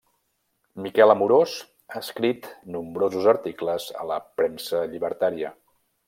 Miquel Amorós ha escrit nombrosos articles a la premsa llibertària.